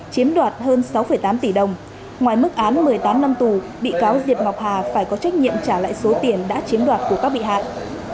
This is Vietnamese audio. chiếm đoạt hơn sáu tám tỷ đồng ngoài mức án một mươi tám năm tù bị cáo diệp ngọc hà phải có trách nhiệm trả lại số tiền đã chiếm đoạt của các bị hại